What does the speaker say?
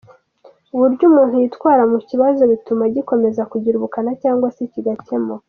Uburyo umuntu yitwara mu kibazo butuma gikomeza kugira ubukana cyangwa se kigakemuka.